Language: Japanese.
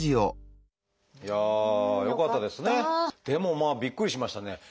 でもまあびっくりしましたね。